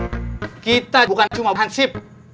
ingat kita bukan cuma hansip